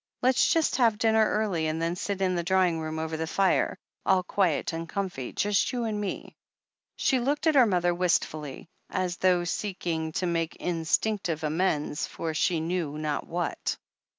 Let's just have dinner early and then sit in the drawing room over the fire, all quiet and comfy, just you and me." She looked at her mother wistfully, as though seek ing to make instinctive amends for she knew not what.